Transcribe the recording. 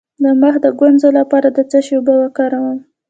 د مخ د ګونځو لپاره د څه شي اوبه وکاروم؟